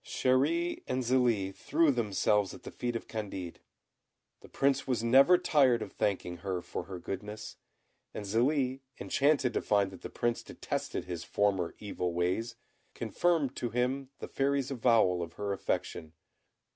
Chéri and Zélie threw themselves at the feet of Candid. The Prince was never tired of thanking her for her goodness, and Zélie, enchanted to find that the Prince detested his former evil ways, confirmed to him the Fairy's avowal of her affection.